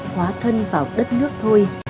hóa thân vào đất nước thôi